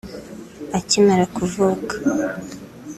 Akimara kuvuka